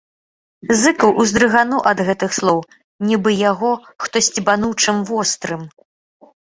Зыкаў уздрыгнуў ад гэтых слоў, нібы яго хто сцебануў чым вострым.